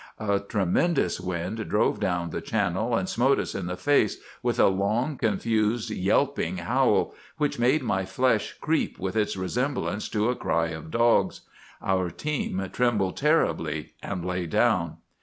A tremendous wind drove down the channel and smote us in the face, with a long, confused, yelping howl, which made my flesh creep with its resemblance to a cry of dogs. Our team trembled terribly and lay down.